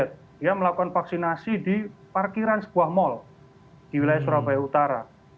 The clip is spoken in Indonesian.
dia melakukan vaksinasi di parkiran sebuah mal di wilayah surabaya utara